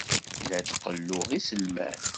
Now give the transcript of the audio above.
La d-qelluɣ iselman.